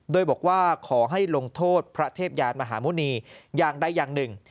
โดยบอกว่าขอให้ลงโทษพระเทพยานมหาหมุณีอย่างใดอย่างหนึ่ง